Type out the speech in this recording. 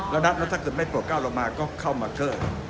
แล้วถ้าถึงไม่ปรดก้าวลงมาก็เข้ามาเกิด